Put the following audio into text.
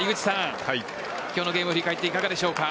今日のゲームを振り返っていかがですか？